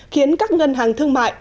khiến các ngân hàng thương mại